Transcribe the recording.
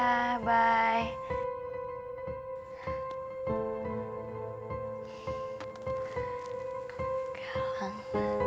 sampai ketemu besok malem ya